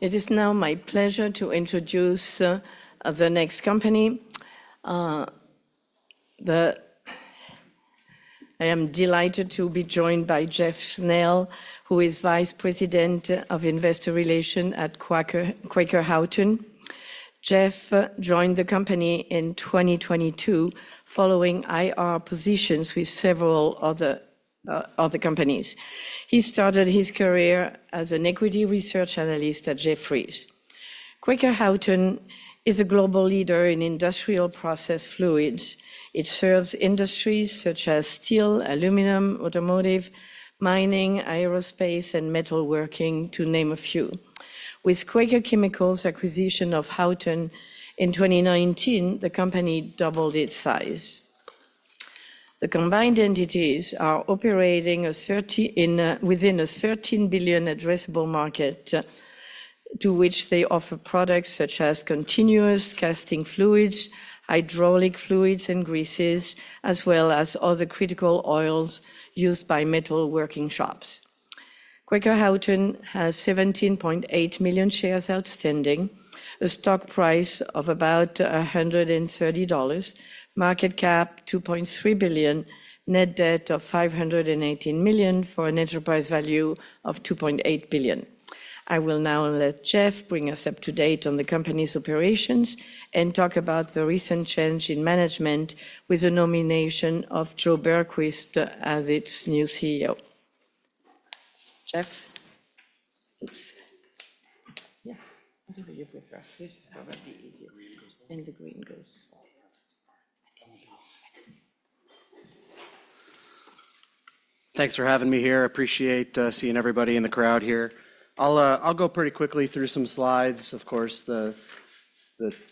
It is now my pleasure to introduce the next company. I am delighted to be joined by Jeff Schnell, who is Vice President of Investor Relations at Quaker Houghton. Jeff joined the company in 2022, following IR positions with several other companies. He started his career as an equity research analyst at Jefferies. Quaker Houghton is a global leader in industrial process fluids. It serves industries such as steel, aluminum, automotive, mining, aerospace, and metalworking, to name a few. With Quaker Chemical's acquisition of Houghton in 2019, the company doubled its size. The combined entities are operating within a $13 billion addressable market, to which they offer products such as continuous casting fluids, hydraulic fluids, and greases, as well as other critical oils used by metalworking shops. Quaker Houghton has $17.8 million shares outstanding, a stock price of about $130, market cap $2.3 billion, net debt of $518 million, for an enterprise value of $2.8 billion. I will now let Jeff bring us up to date on the company's operations and talk about the recent change in management with the nomination of Joe Berquist as its new CEO. Jeff? Yeah. This is probably easier. The green goes. Thanks for having me here. I appreciate seeing everybody in the crowd here. I'll go pretty quickly through some slides, of course, the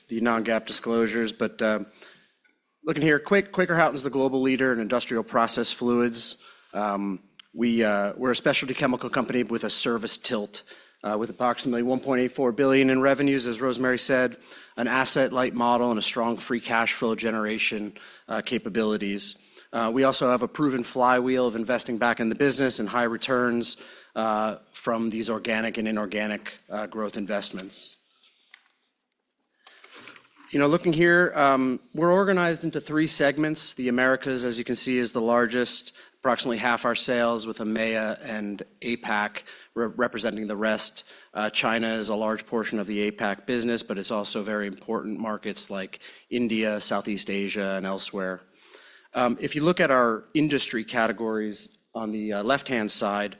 non-GAAP disclosures. Looking here, Quaker Houghton is the global leader in industrial process fluids. We're a specialty chemical company with a service tilt, with approximately $1.84 billion in revenues, as Rosemary said, an asset-light model, and strong free cash flow generation capabilities. We also have a proven flywheel of investing back in the business and high returns from these organic and inorganic growth investments. Looking here, we're organized into three segments. The Americas, as you can see, is the largest. Approximately half our sales with EMEA and APAC representing the rest. China is a large portion of the APAC business, but it's also very important markets like India, Southeast Asia, and elsewhere. If you look at our industry categories on the left-hand side,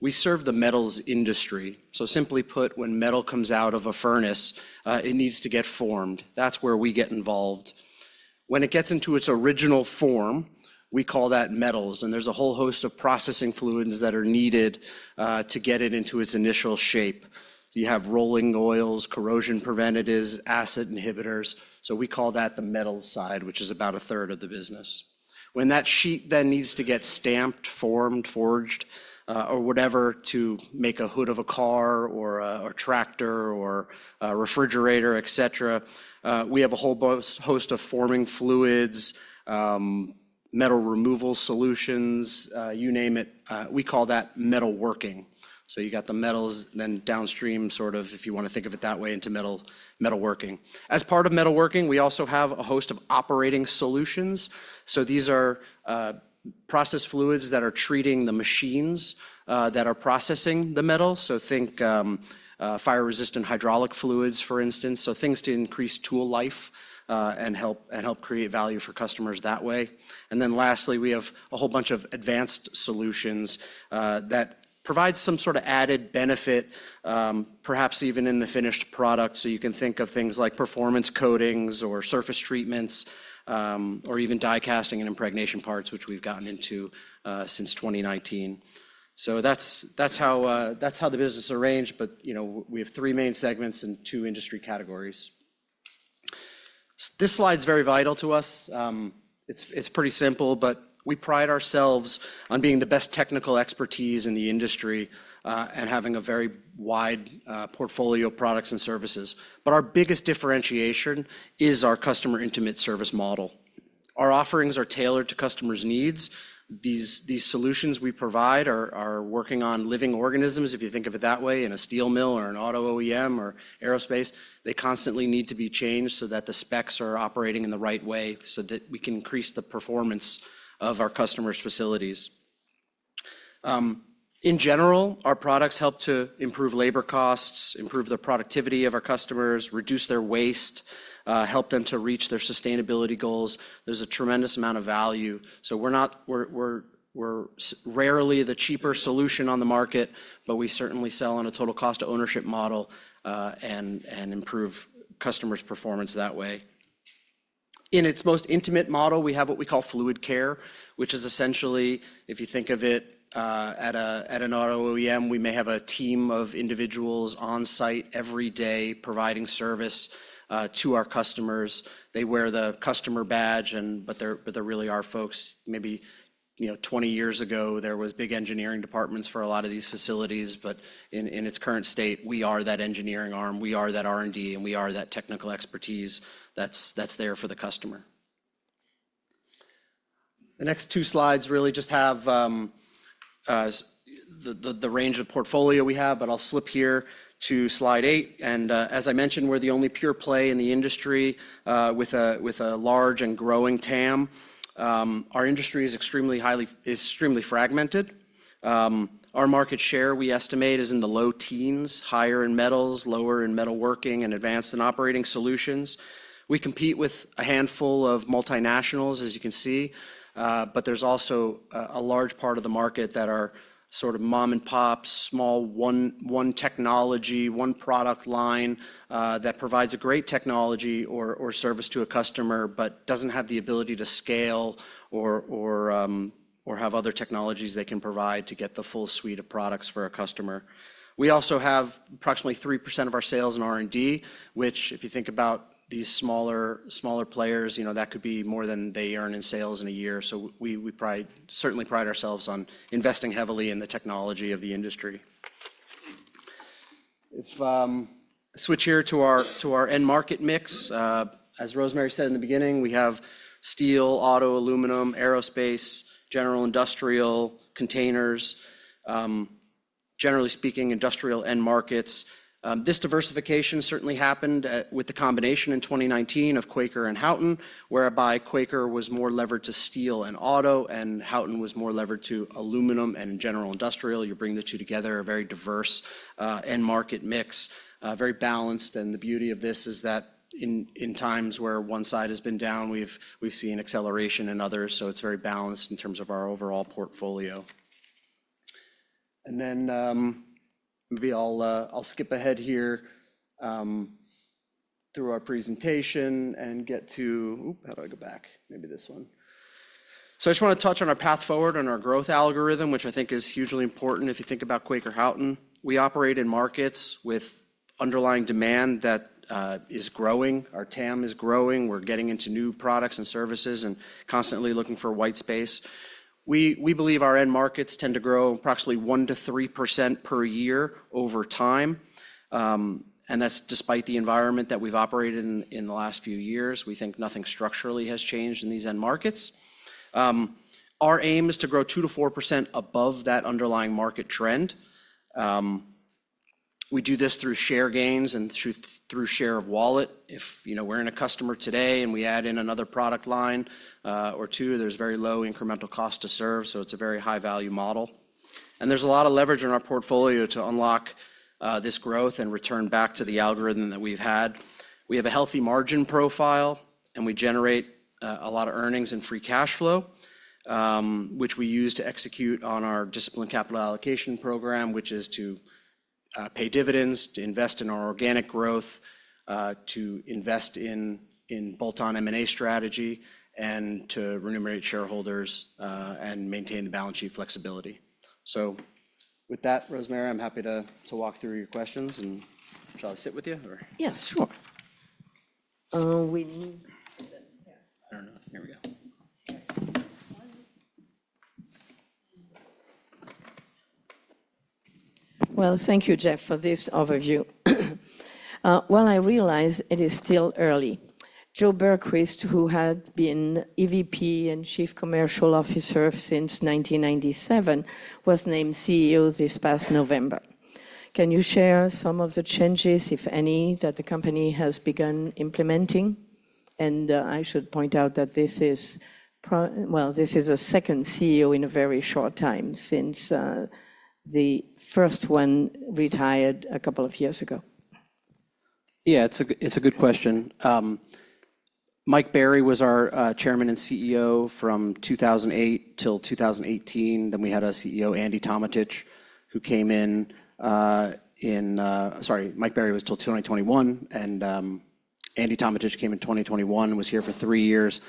we serve the metals industry. Simply put, when metal comes out of a furnace, it needs to get formed. That's where we get involved. When it gets into its original form, we call that metals. There's a whole host of processing fluids that are needed to get it into its initial shape. You have rolling oils, corrosion preventatives, acid inhibitors. We call that the metals side, which is about a third of the business. When that sheet then needs to get stamped, formed, forged, or whatever to make a hood of a car or a tractor or a refrigerator, et cetera, we have a whole host of forming fluids, metal removal solutions, you name it. We call that metalworking. You got the metals then downstream, sort of, if you want to think of it that way, into metalworking. As part of metalworking, we also have a host of operating solutions. These are process fluids that are treating the machines that are processing the metal. Think fire-resistant hydraulic fluids, for instance, things to increase tool life and help create value for customers that way. Lastly, we have a whole bunch of advanced solutions that provide some sort of added benefit, perhaps even in the finished product. You can think of things like performance coatings or surface treatments, or even die casting and impregnation parts, which we've gotten into since 2019. That's how the business is arranged. We have three main segments and two industry categories. This slide is very vital to us. It's pretty simple, but we pride ourselves on being the best technical expertise in the industry and having a very wide portfolio of products and services. Our biggest differentiation is our customer intimate service model. Our offerings are tailored to customers' needs. These solutions we provide are working on living organisms, if you think of it that way, in a steel mill or an auto OEM or aerospace. They constantly need to be changed so that the specs are operating in the right way so that we can increase the performance of our customers' facilities. In general, our products help to improve labor costs, improve the productivity of our customers, reduce their waste, help them to reach their sustainability goals. There's a tremendous amount of value. We're rarely the cheaper solution on the market, but we certainly sell on a total cost of ownership model and improve customers' performance that way. In its most intimate model, we have what we call Fluidcare, which is essentially, if you think of it at an auto OEM, we may have a team of individuals on site every day providing service to our customers. They wear the customer badge, but they really are our folks. Maybe 20 years ago, there were big engineering departments for a lot of these facilities. In its current state, we are that engineering arm. We are that R&D, and we are that technical expertise that's there for the customer. The next two slides really just have the range of portfolio we have, but I'll slip here to slide eight. As I mentioned, we're the only pure play in the industry with a large and growing TAM. Our industry is extremely fragmented. Our market share, we estimate, is in the low teens, higher in metals, lower in metalworking, and advanced and operating solutions. We compete with a handful of multinationals, as you can see. There's also a large part of the market that are sort of mom-and-pops, small one technology, one product line that provides a great technology or service to a customer but doesn't have the ability to scale or have other technologies they can provide to get the full suite of products for a customer. We also have approximately 3% of our sales in R&D, which, if you think about these smaller players, that could be more than they earn in sales in a year. We certainly pride ourselves on investing heavily in the technology of the industry. If I switch here to our end market mix, as Rosemary said in the beginning, we have steel, auto, aluminum, aerospace, general industrial, containers, generally speaking, industrial end markets. This diversification certainly happened with the combination in 2019 of Quaker and Houghton, whereby Quaker was more levered to steel and auto and Houghton was more levered to aluminum and general industrial. You bring the two together, a very diverse end market mix, very balanced. The beauty of this is that in times where one side has been down, we've seen acceleration in others. It is very balanced in terms of our overall portfolio. Maybe I'll skip ahead here through our presentation and get to, how do I go back? Maybe this one. I just want to touch on our path forward and our growth algorithm, which I think is hugely important if you think about Quaker Houghton. We operate in markets with underlying demand that is growing. Our TAM is growing. We're getting into new products and services and constantly looking for white space. We believe our end markets tend to grow approximately 1%-3% per year over time. That's despite the environment that we've operated in the last few years. We think nothing structurally has changed in these end markets. Our aim is to grow 2%-4% above that underlying market trend. We do this through share gains and through share of wallet. If we're in a customer today and we add in another product line or two, there's very low incremental cost to serve. It's a very high-value model. There is a lot of leverage in our portfolio to unlock this growth and return back to the algorithm that we have had. We have a healthy margin profile, and we generate a lot of earnings and free cash flow, which we use to execute on our discipline capital allocation program, which is to pay dividends, to invest in our organic growth, to invest in bolt-on M&A strategy, and to remunerate shareholders and maintain the balance sheet flexibility. With that, Rosemary, I am happy to walk through your questions. Shall I sit with you, or? Yes, sure. I don't know. Here we go. Thank you, Jeff, for this overview. I realize it is still early. Joe Berquist, who had been EVP and Chief Commercial Officer since 1997, was named CEO this past November. Can you share some of the changes, if any, that the company has begun implementing? I should point out that this is a second CEO in a very short time since the first one retired a couple of years ago. Yeah, it's a good question. Mike Barry was our Chairman and CEO from 2008 till 2021. Andy Tometich came in 2021, was here for three years.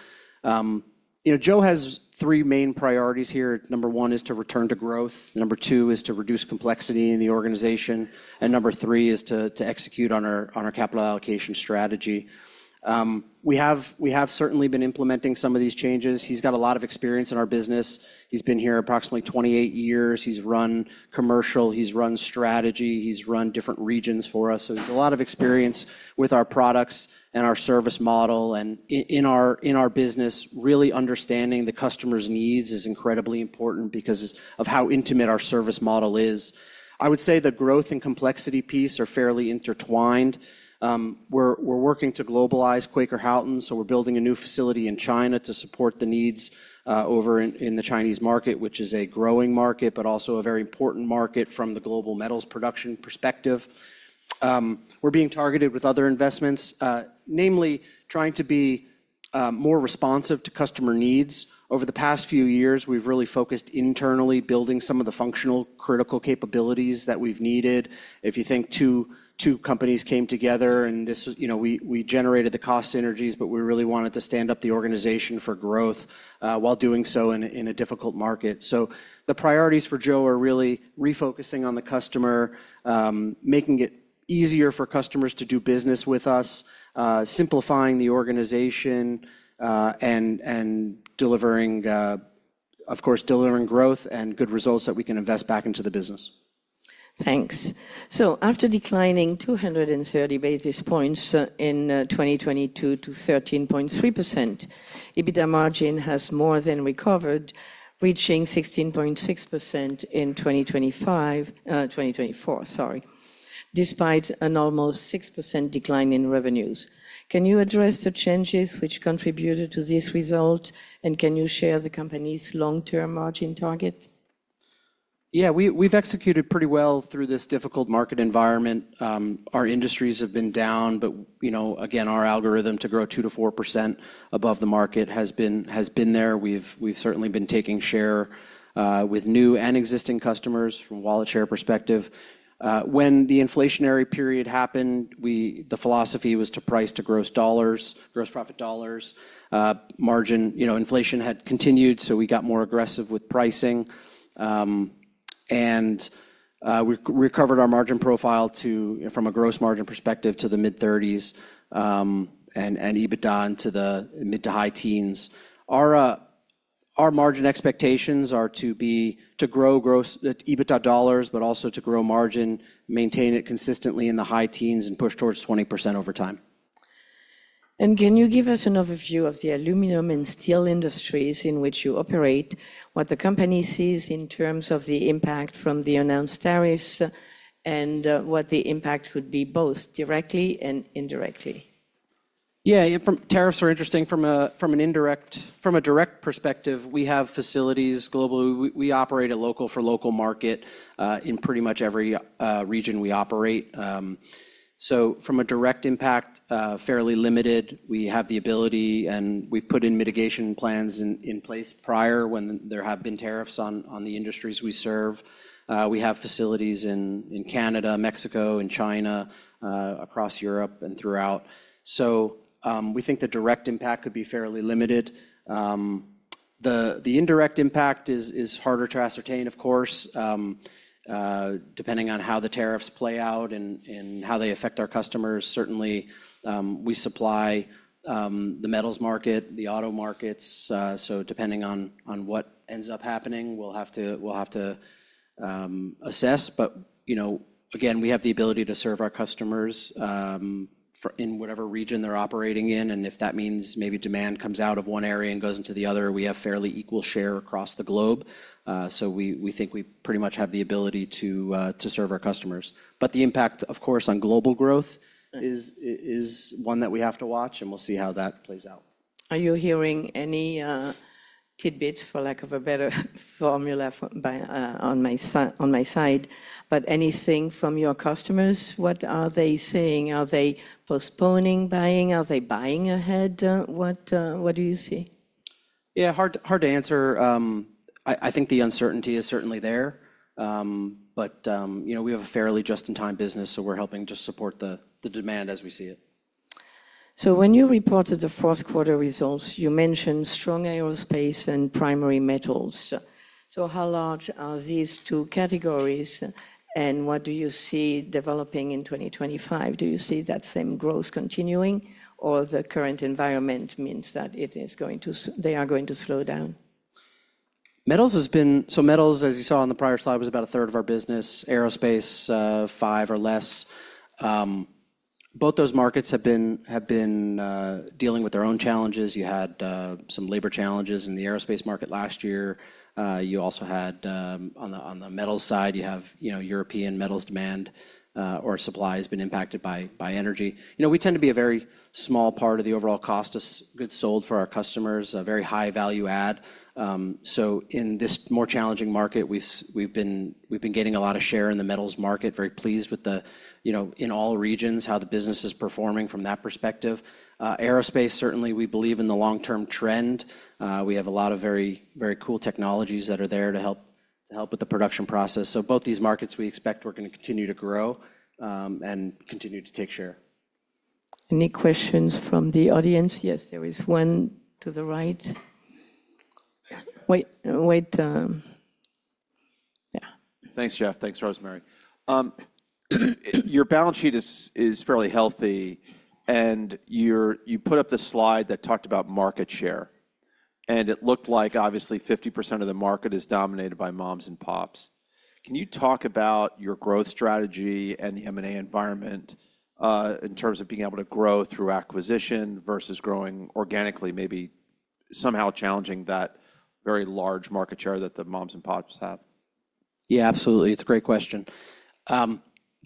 Joe has three main priorities here. Number one is to return to growth. Number two is to reduce complexity in the organization. Number three is to execute on our capital allocation strategy. We have certainly been implementing some of these changes. He's got a lot of experience in our business. He's been here approximately 28 years. He's run commercial. He's run strategy. He's run different regions for us. He has a lot of experience with our products and our service model. In our business, really understanding the customer's needs is incredibly important because of how intimate our service model is. I would say the growth and complexity piece are fairly intertwined. We're working to globalize Quaker Houghton. We're building a new facility in China to support the needs over in the Chinese market, which is a growing market, but also a very important market from the global metals production perspective. We're being targeted with other investments, namely trying to be more responsive to customer needs. Over the past few years, we've really focused internally building some of the functional critical capabilities that we've needed. If you think two companies came together and we generated the cost synergies, but we really wanted to stand up the organization for growth while doing so in a difficult market. The priorities for Joe are really refocusing on the customer, making it easier for customers to do business with us, simplifying the organization, and, of course, delivering growth and good results that we can invest back into the business. Thanks. After declining 230 basis points in 2022 to 13.3%, EBITDA margin has more than recovered, reaching 16.6% in 2024, sorry, despite an almost 6% decline in revenues. Can you address the changes which contributed to this result? Can you share the company's long-term margin target? Yeah, we've executed pretty well through this difficult market environment. Our industries have been down. Again, our algorithm to grow 2%-4% above the market has been there. We've certainly been taking share with new and existing customers from a wallet share perspective. When the inflationary period happened, the philosophy was to price to gross profit dollars. Inflation had continued, so we got more aggressive with pricing. We recovered our margin profile from a gross margin perspective to the mid-30% and EBITDA into the mid to high teens. Our margin expectations are to grow EBITDA dollars, but also to grow margin, maintain it consistently in the high teens, and push towards 20% over time. Can you give us an overview of the aluminum and steel industries in which you operate, what the company sees in terms of the impact from the announced tariffs, and what the impact would be both directly and indirectly? Yeah, tariffs are interesting from a direct perspective. We have facilities globally. We operate a local-for-local market in pretty much every region we operate. From a direct impact, fairly limited. We have the ability, and we've put mitigation plans in place prior when there have been tariffs on the industries we serve. We have facilities in Canada, Mexico, and China, across Europe and throughout. We think the direct impact could be fairly limited. The indirect impact is harder to ascertain, of course, depending on how the tariffs play out and how they affect our customers. Certainly, we supply the metals market, the auto markets. Depending on what ends up happening, we'll have to assess. Again, we have the ability to serve our customers in whatever region they're operating in. If that means maybe demand comes out of one area and goes into the other, we have fairly equal share across the globe. We think we pretty much have the ability to serve our customers. The impact, of course, on global growth is one that we have to watch, and we'll see how that plays out. Are you hearing any tidbits, for lack of a better formula on my side, but anything from your customers? What are they saying? Are they postponing buying? Are they buying ahead? What do you see? Yeah, hard to answer. I think the uncertainty is certainly there. We have a fairly just-in-time business, so we're helping to support the demand as we see it. When you reported the fourth quarter results, you mentioned strong aerospace and primary metals. How large are these two categories? What do you see developing in 2025? Do you see that same growth continuing, or does the current environment mean that they are going to slow down? Metals, as you saw on the prior slide, was about a third of our business. Aerospace, five or less. Both those markets have been dealing with their own challenges. You had some labor challenges in the aerospace market last year. You also had, on the metals side, you have European metals demand or supply has been impacted by energy. We tend to be a very small part of the overall cost of goods sold for our customers, a very high value add. In this more challenging market, we've been gaining a lot of share in the metals market, very pleased with, in all regions, how the business is performing from that perspective. Aerospace, certainly, we believe in the long-term trend. We have a lot of very cool technologies that are there to help with the production process. Both these markets, we expect we're going to continue to grow and continue to take share. Any questions from the audience? Yes, there is one to the right. Wait. Yeah. Thanks, Jeff. Thanks, Rosemary. Your balance sheet is fairly healthy. You put up the slide that talked about market share. It looked like, obviously, 50% of the market is dominated by moms and pops. Can you talk about your growth strategy and the M&A environment in terms of being able to grow through acquisition versus growing organically, maybe somehow challenging that very large market share that the moms and pops have? Yeah, absolutely. It's a great question.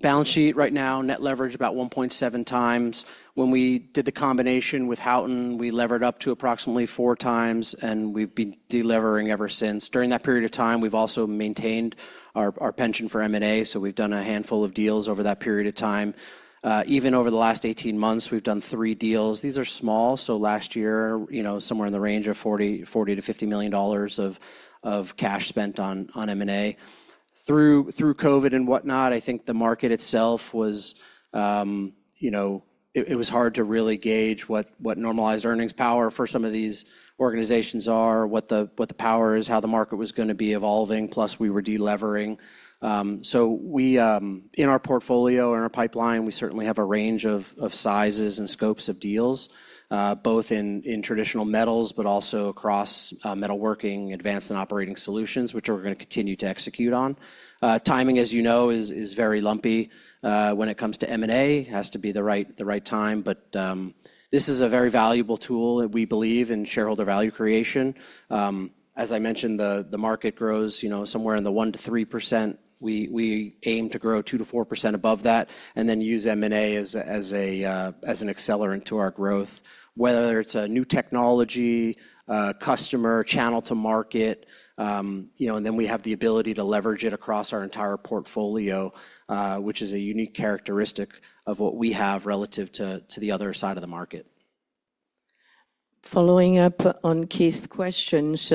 Balance sheet right now, net leverage about 1.7 times. When we did the combination with Houghton, we levered up to approximately four times, and we've been de-levering ever since. During that period of time, we've also maintained our pension for M&A. So we've done a handful of deals over that period of time. Even over the last 18 months, we've done three deals. These are small. Last year, somewhere in the range of $40 to $50 million of cash spent on M&A. Through COVID and whatnot, I think the market itself was hard to really gauge what normalized earnings power for some of these organizations are, what the power is, how the market was going to be evolving, plus we were de-levering. In our portfolio and our pipeline, we certainly have a range of sizes and scopes of deals, both in traditional metals, but also across metalworking, advanced and operating solutions, which we're going to continue to execute on. Timing, as you know, is very lumpy when it comes to M&A. It has to be the right time. This is a very valuable tool, we believe, in shareholder value creation. As I mentioned, the market grows somewhere in the 1% to 3%. We aim to grow 2% to 4% above that and then use M&A as an accelerant to our growth, whether it's a new technology, customer, channel to market. We have the ability to leverage it across our entire portfolio, which is a unique characteristic of what we have relative to the other side of the market. Following up on Keith's questions,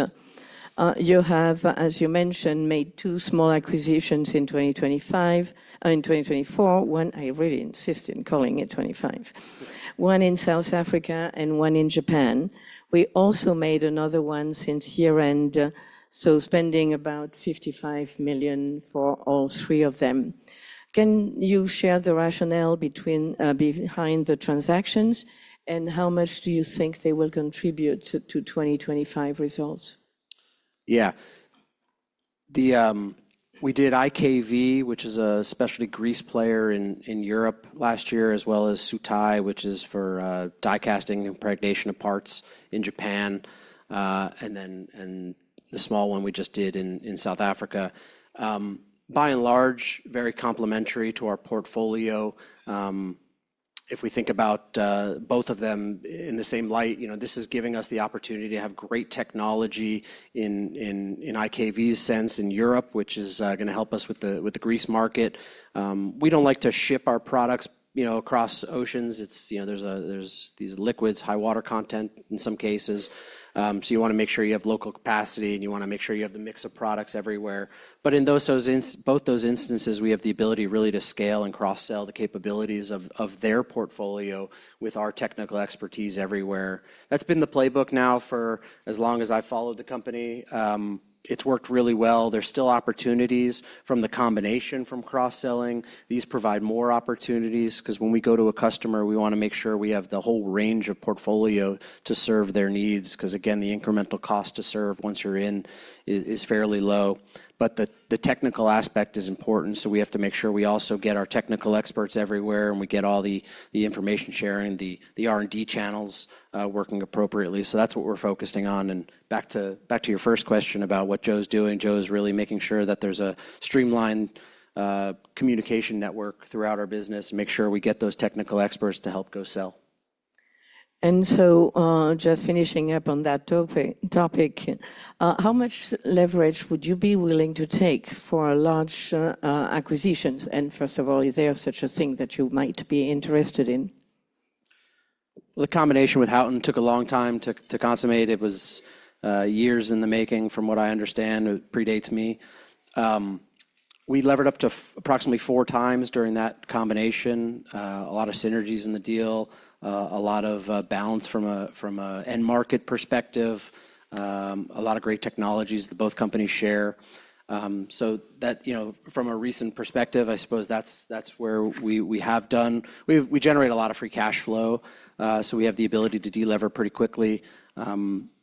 you have, as you mentioned, made two small acquisitions in 2024. One, I really insist on calling it 2025, one in South Africa and one in Japan. We also made another one since year-end, so spending about $55 million for all three of them. Can you share the rationale behind the transactions, and how much do you think they will contribute to 2025 results? Yeah. We did IKV, which is a specialty grease player in Europe last year, as well as Sutai, which is for die-casting impregnation of parts in Japan, and then the small one we just did in South Africa. By and large, very complementary to our portfolio. If we think about both of them in the same light, this is giving us the opportunity to have great technology in IKV's sense in Europe, which is going to help us with the grease market. We don't like to ship our products across oceans. There's these liquids, high water content in some cases. You want to make sure you have local capacity, and you want to make sure you have the mix of products everywhere. In both those instances, we have the ability really to scale and cross-sell the capabilities of their portfolio with our technical expertise everywhere. That's been the playbook now for as long as I've followed the company. It's worked really well. There's still opportunities from the combination, from cross-selling. These provide more opportunities because when we go to a customer, we want to make sure we have the whole range of portfolio to serve their needs because, again, the incremental cost to serve once you're in is fairly low. The technical aspect is important. We have to make sure we also get our technical experts everywhere, and we get all the information sharing, the R&D channels working appropriately. That's what we're focusing on. Back to your first question about what Joe's doing, Joe's really making sure that there's a streamlined communication network throughout our business and make sure we get those technical experts to help go sell. Just finishing up on that topic, how much leverage would you be willing to take for large acquisitions? First of all, is there such a thing that you might be interested in? The combination with Houghton took a long time to consummate. It was years in the making from what I understand. It predates me. We levered up to approximately four times during that combination, a lot of synergies in the deal, a lot of balance from an end market perspective, a lot of great technologies that both companies share. From a recent perspective, I suppose that's where we have done. We generate a lot of free cash flow. We have the ability to de-lever pretty quickly.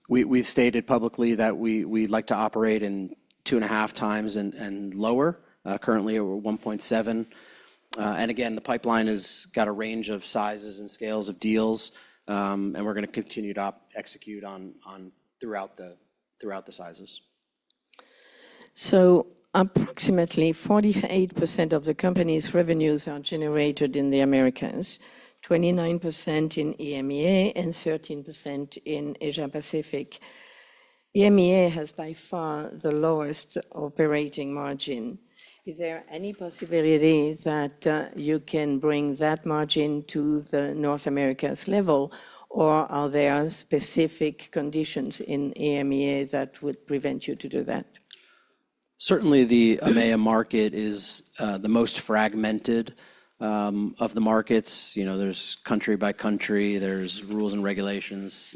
We've stated publicly that we'd like to operate in two and a half times and lower, currently over 1.7. The pipeline has got a range of sizes and scales of deals. We're going to continue to execute throughout the sizes. Approximately 48% of the company's revenues are generated in the Americas, 29% in EMEA, and 13% in Asia-Pacific. EMEA has by far the lowest operating margin. Is there any possibility that you can bring that margin to the North America's level, or are there specific conditions in EMEA that would prevent you to do that? Certainly, the EMEA market is the most fragmented of the markets. There's country by country. There's rules and regulations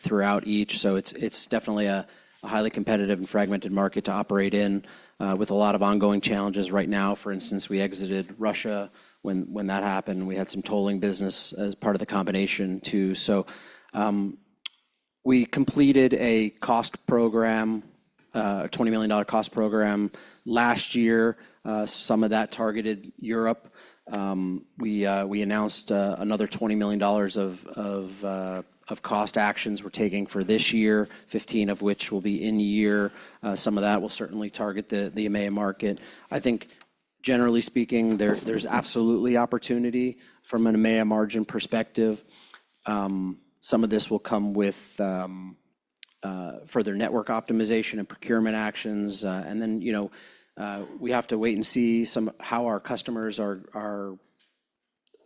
throughout each. It's definitely a highly competitive and fragmented market to operate in with a lot of ongoing challenges right now. For instance, we exited Russia when that happened. We had some tolling business as part of the combination too. We completed a cost program, a $20 million cost program last year. Some of that targeted Europe. We announced another $20 million of cost actions we're taking for this year, 15 of which will be in year. Some of that will certainly target the EMEA market. I think, generally speaking, there's absolutely opportunity from an EMEA margin perspective. Some of this will come with further network optimization and procurement actions. We have to wait and see how our customers are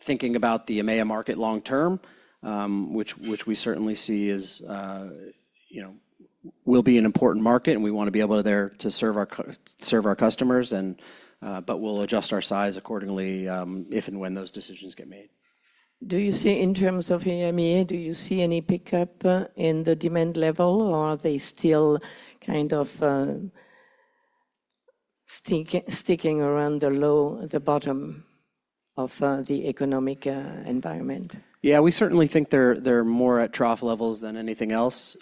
thinking about the EMEA market long term, which we certainly see will be an important market. We want to be able to serve our customers. We will adjust our size accordingly if and when those decisions get made. Do you see, in terms of EMEA, do you see any pickup in the demand level, or are they still kind of sticking around the low, the bottom of the economic environment? Yeah, we certainly think they're more at trough levels than anything else.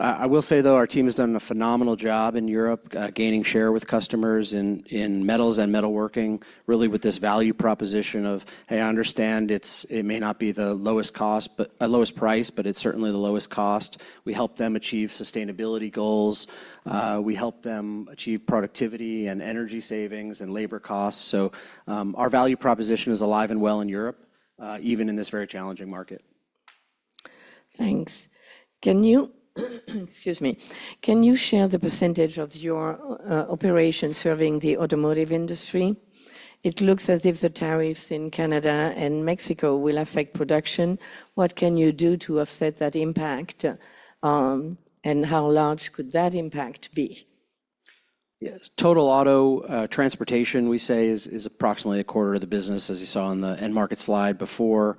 I will say, though, our team has done a phenomenal job in Europe gaining share with customers in metals and metalworking, really with this value proposition of, hey, I understand it may not be the lowest price, but it's certainly the lowest cost. We help them achieve sustainability goals. We help them achieve productivity and energy savings and labor costs. Our value proposition is alive and well in Europe, even in this very challenging market. Thanks. Excuse me. Can you share the percentage of your operations serving the automotive industry? It looks as if the tariffs in Canada and Mexico will affect production. What can you do to offset that impact, and how large could that impact be? Yes. Total auto transportation, we say, is approximately a quarter of the business, as you saw on the end market slide before.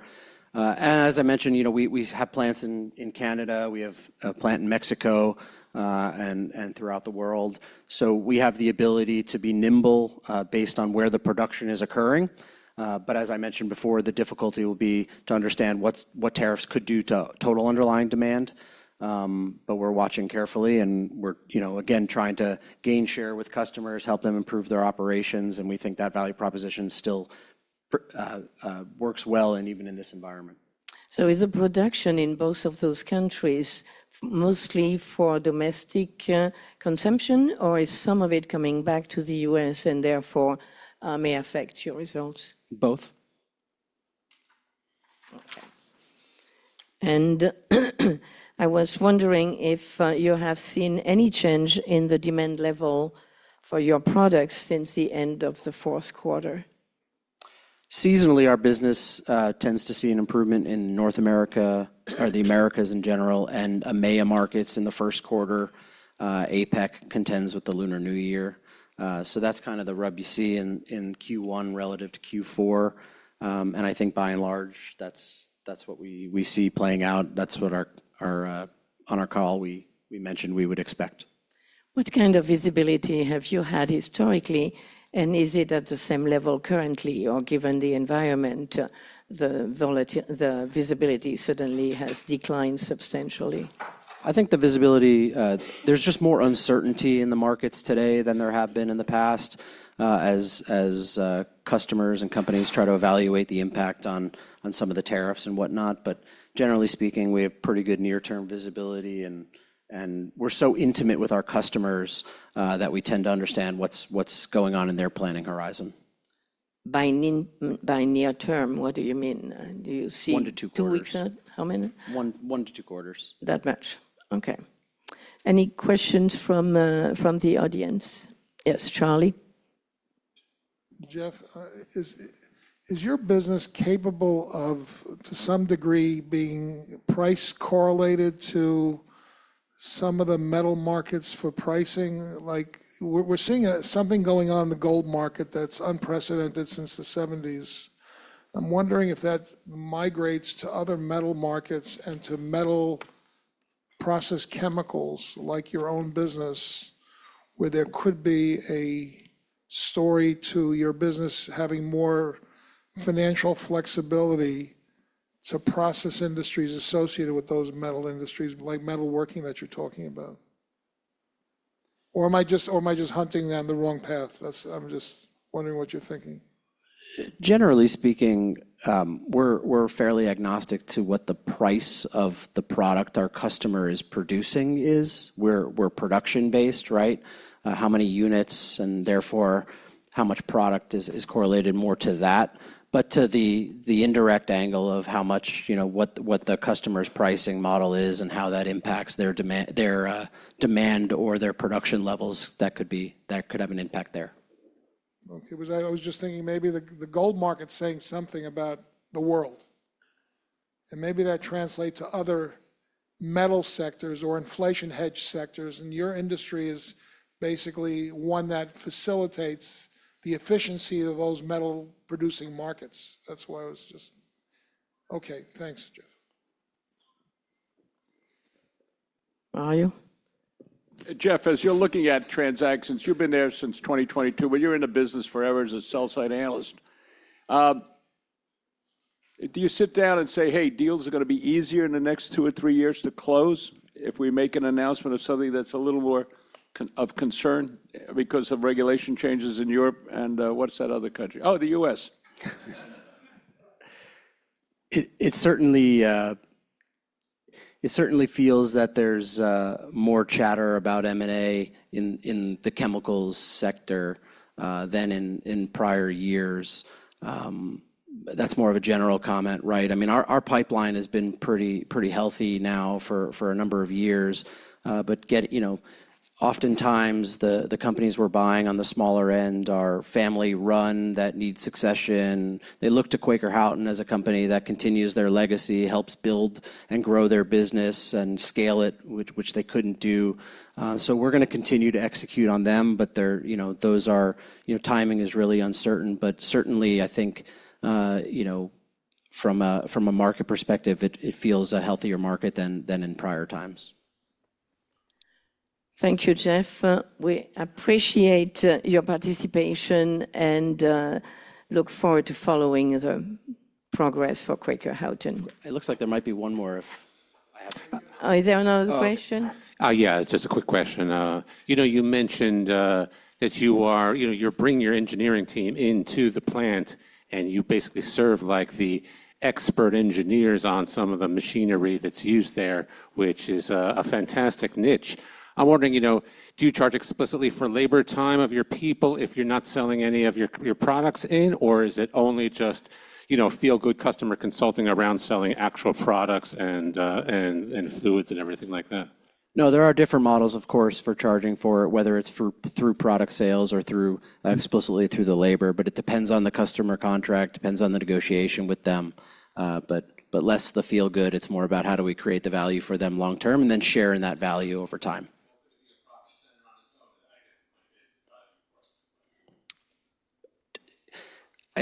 As I mentioned, we have plants in Canada. We have a plant in Mexico and throughout the world. We have the ability to be nimble based on where the production is occurring. As I mentioned before, the difficulty will be to understand what tariffs could do to total underlying demand. We are watching carefully and again trying to gain share with customers, help them improve their operations. We think that value proposition still works well even in this environment. Is the production in both of those countries mostly for domestic consumption, or is some of it coming back to the U.S. and therefore may affect your results? Both. Okay. I was wondering if you have seen any change in the demand level for your products since the end of the fourth quarter. Seasonally, our business tends to see an improvement in North America or the Americas in general and EMEA markets in the first quarter. APAC contends with the Lunar New Year. That is kind of the rub you see in Q1 relative to Q4. I think, by and large, that is what we see playing out. That is what on our call we mentioned we would expect. What kind of visibility have you had historically, and is it at the same level currently or given the environment, the visibility suddenly has declined substantially? I think the visibility, there's just more uncertainty in the markets today than there have been in the past as customers and companies try to evaluate the impact on some of the tariffs and whatnot. Generally speaking, we have pretty good near-term visibility. We're so intimate with our customers that we tend to understand what's going on in their planning horizon. By near term, what do you mean? Do you see two weeks out? One to two quarters. How many? One to two quarters. That much. Okay. Any questions from the audience? Yes, Charlie. Jeff, is your business capable of, to some degree, being price-correlated to some of the metal markets for pricing? We're seeing something going on in the gold market that's unprecedented since the 1970s. I'm wondering if that migrates to other metal markets and to metal process chemicals like your own business, where there could be a story to your business having more financial flexibility to process industries associated with those metal industries, like metalworking that you're talking about. Or am I just hunting down the wrong path? I'm just wondering what you're thinking. Generally speaking, we're fairly agnostic to what the price of the product our customer is producing is. We're production-based, right? How many units and therefore how much product is correlated more to that. To the indirect angle of what the customer's pricing model is and how that impacts their demand or their production levels, that could have an impact there. Okay. I was just thinking maybe the gold market's saying something about the world. Maybe that translates to other metal sectors or inflation-hedged sectors. Your industry is basically one that facilitates the efficiency of those metal-producing markets. That's why I was just okay. Thanks, Jeff. Are you? Jeff, as you're looking at transactions, you've been there since 2022, but you're in the business forever as a sell-side analyst. Do you sit down and say, hey, deals are going to be easier in the next two or three years to close if we make an announcement of something that's a little more of concern because of regulation changes in Europe? What's that other country? Oh, the U.S. It certainly feels that there's more chatter about M&A in the chemicals sector than in prior years. That's more of a general comment, right? I mean, our pipeline has been pretty healthy now for a number of years. Oftentimes, the companies we're buying on the smaller end are family-run that need succession. They look to Quaker Houghton as a company that continues their legacy, helps build and grow their business and scale it, which they couldn't do. We are going to continue to execute on them. Those are timing is really uncertain. Certainly, I think from a market perspective, it feels a healthier market than in prior times. Thank you, Jeff. We appreciate your participation and look forward to following the progress for Quaker Houghton. It looks like there might be one more if I have. Are there no questions? Oh, yeah, just a quick question. You mentioned that you're bringing your engineering team into the plant, and you basically serve like the expert engineers on some of the machinery that's used there, which is a fantastic niche. I'm wondering, do you charge explicitly for labor time of your people if you're not selling any of your products in, or is it only just feel-good customer consulting around selling actual products and fluids and everything like that? No, there are different models, of course, for charging for it, whether it's through product sales or explicitly through the labor. It depends on the customer contract. It depends on the negotiation with them. Less the feel-good. It's more about how do we create the value for them long term and then sharing that value over time.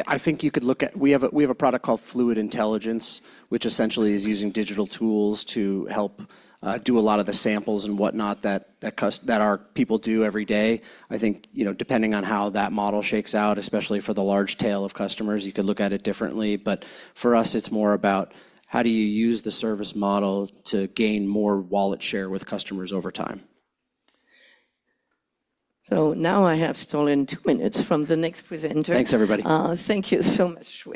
I think you could look at we have a product called Fluid Intelligence, which essentially is using digital tools to help do a lot of the samples and whatnot that our people do every day. I think depending on how that model shakes out, especially for the large tail of customers, you could look at it differently. For us, it's more about how do you use the service model to gain more wallet share with customers over time. I have stolen two minutes from the next presenter. Thanks, everybody. Thank you so much.